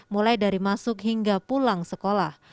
mulai dari masuk hingga pulang sekolah